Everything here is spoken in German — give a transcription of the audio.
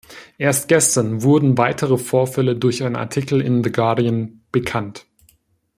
Erst gestern wurden weitere Vorfälle durch einen Artikel in The Guardian bekannt.